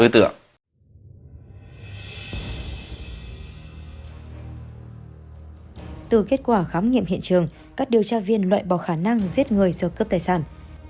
từ kết quả khám nghiệm hiện trường các điều tra viên loại bỏ khả năng giết người sơ cướp tài sản